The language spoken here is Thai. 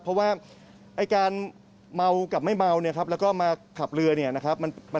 เพราะว่าไอ้การเมากับไม่เมาเนี่ยครับแล้วก็มาขับเรือเนี่ยนะครับ